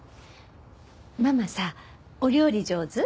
ママさお料理上手？